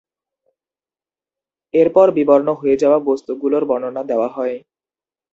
এরপর বিবর্ণ হয়ে যাওয়া বস্তুগুলোর বর্ণনা দেওয়া হয়।